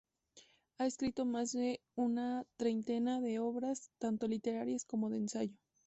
Ha escrito más de una treintena de obras, tanto literarias como de ensayo.